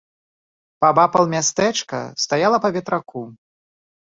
Паабапал мястэчка стаяла па ветраку.